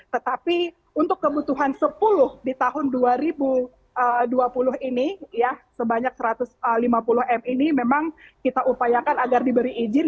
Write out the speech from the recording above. tetapi untuk kebutuhan sepuluh di tahun dua ribu dua puluh ini ya sebanyak satu ratus lima puluh m ini memang kita upayakan agar diberi izin